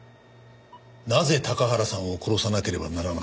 なぜ高原さんを殺さなければならなかったんですか？